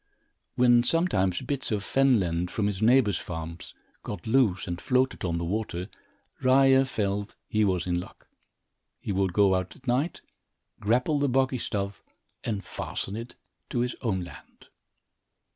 When sometimes bits of fen land, from his neighbor's farms, got loose and floated on the water, Ryer felt he was in luck. He would go out at night, grapple the boggy stuff and fasten it to his own land.